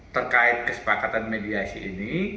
terkait kesepakatan mediasi ini